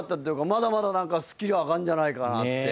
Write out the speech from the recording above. まだまだスキル上がんじゃないかなって。